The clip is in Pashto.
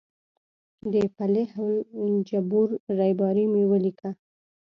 د فلیح الجبور ریباري مې ولیکه.